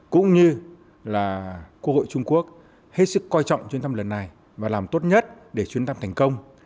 cũng như là quốc hội trung quốc hết sức coi trọng chuyến thăm lần này và làm tốt nhất để chuyến thăm thành công